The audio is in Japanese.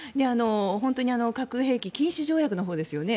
本当に核兵器禁止条約のほうですよね。